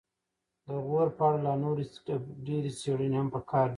د غور په اړه لا نورې ډېرې څیړنې هم پکار دي